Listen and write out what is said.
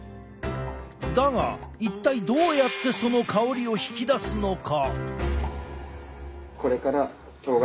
だが一体どうやってその香りを引き出すのか？